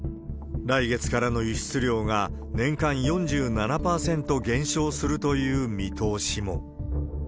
来月からの輸出量が年間４７％減少するという見通しも。